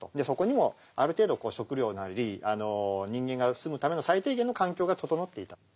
そこにもある程度食料なり人間が住むための最低限の環境が整っていた。